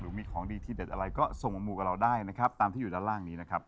มีของดีที่เด็ดอะไรก็ส่งมามูกับเราได้นะครับตามที่อยู่ด้านล่างนี้นะครับ